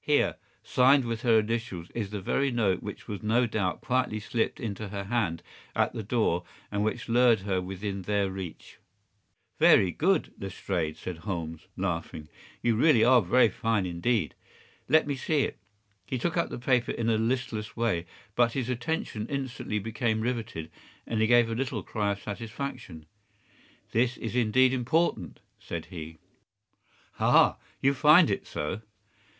Here, signed with her initials, is the very note which was no doubt quietly slipped into her hand at the door, and which lured her within their reach.” “Very good, Lestrade,” said Holmes, laughing. “You really are very fine indeed. Let me see it.” He took up the paper in a listless way, but his attention instantly became riveted, and he gave a little cry of satisfaction. “This is indeed important,” said he. “Ha! you find it so?